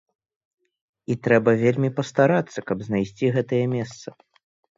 І трэба вельмі пастарацца, каб знайсці гэтае месца.